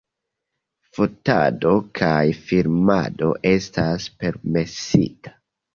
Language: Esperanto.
Fotado kaj filmado estas permesita.